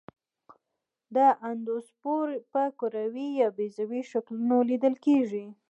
دا اندوسپور په کروي یا بیضوي شکلونو لیدل کیږي.